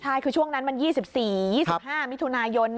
ใช่คือช่วงนั้นมัน๒๔๒๕มิถุนายน